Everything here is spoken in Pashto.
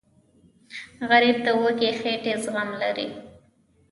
غریب د وږې خېټې زغم لري